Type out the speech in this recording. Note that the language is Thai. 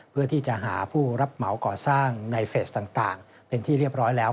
เพื่อที่จะหาผู้รับเหมาก่อสร้างในเฟสต่างเป็นที่เรียบร้อยแล้ว